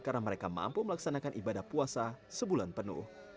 karena mereka mampu melaksanakan ibadah puasa sebulan penuh